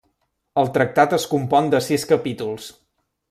El tractat es compon de sis capítols.